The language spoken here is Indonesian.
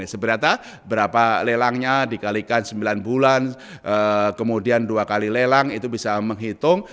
seberapa lelangnya dikalikan sembilan bulan kemudian dua kali lelang itu bisa menghitung